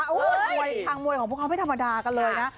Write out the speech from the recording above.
ภารกิจห้างมวยของพวกเราไม่ธรรมดากันเลยนะ